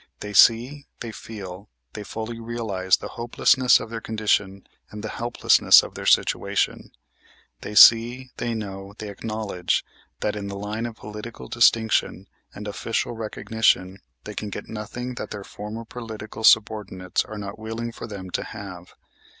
They see, they feel, they fully realize the hopelessness of their condition and the helplessness of their situation. They see, they know, they acknowledge that in the line of political distinction and official recognition they can get nothing that their former political subordinates are not willing for them to have.